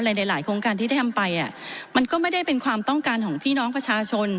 หลายโครงการที่ได้ทำไปมันก็ไม่ได้เป็นความต้องการของพี่น้องประชาชน